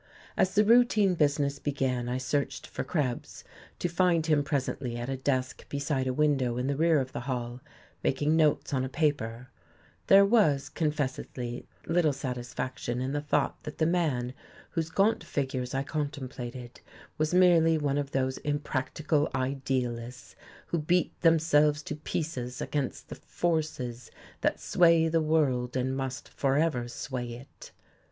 As the routine business began I searched for Krebs, to find him presently at a desk beside a window in the rear of the hall making notes on a paper; there was, confessedly, little satisfaction in the thought that the man whose gaunt features I contemplated was merely one of those impractical idealists who beat themselves to pieces against the forces that sway the world and must forever sway it.